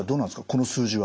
この数字は。